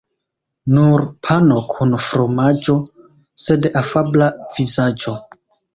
Nur pano kun fromaĝo, sed afabla vizaĝo.